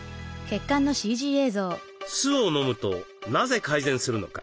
酢を飲むとなぜ改善するのか。